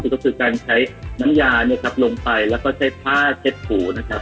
ก็คือการใช้น้ำยาลงไปและใช้ผ้าเช็ดขู่